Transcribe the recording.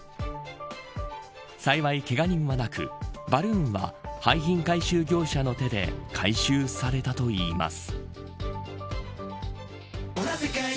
幸い、けが人はなくバルーンは、廃品回収業者の手で回収されたといいます。